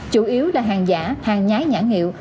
chủ yếu là hàng giả hàng nhái nhã nghiệu